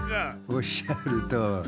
おっしゃるとおり。